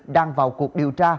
đang vào cuộc điều tra